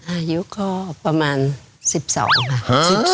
อายุก็ประมาณ๑๒ค่ะ